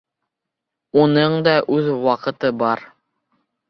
Уның да үҙ ваҡыты бар.